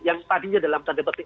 yang tadinya dalam tanda petik